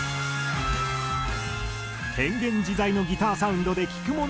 変幻自在のギターサウンドで聴く者を魅了。